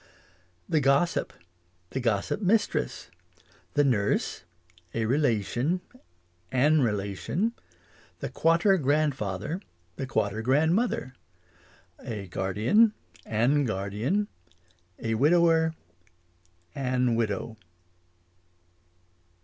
The gossip The gossip mistress The nurse A relation An relation The quater grandfather The quater grandmother A guardian An guardian A widower An widow.